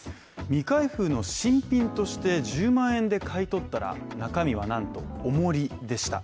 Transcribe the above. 未開封の新品として１０万円で買い取ったら中身はなんと、おもりでした。